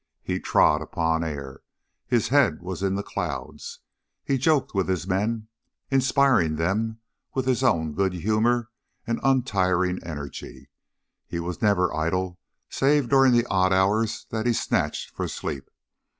He trod upon air, his head was in the clouds. He joked with his men, inspiring them with his own good humor and untiring energy. He was never idle save during the odd hours that he snatched for sleep.